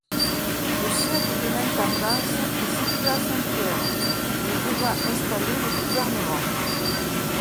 Le siège de l'intendance est situé à Saint-Pierre, où est déjà installé le gouvernement.